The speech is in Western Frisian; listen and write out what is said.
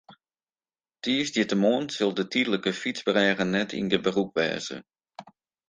Tiisdeitemoarn sil de tydlike fytsbrêge net yn gebrûk wêze.